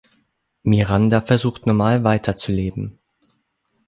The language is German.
Miranda versucht normal weiterzuleben.